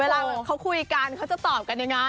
เวลาเขาคุยกันเขาจะตอบกันยังไง